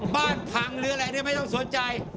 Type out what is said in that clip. บ้านพังหรืออะไรเนี่ยไม่ต้องสนใจ